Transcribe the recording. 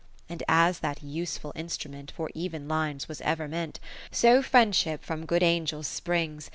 X And as that useful instrument For even lines was ever meant ; So Friendship from good Angels springs.